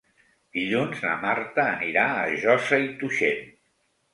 Dilluns na Marta anirà a Josa i Tuixén.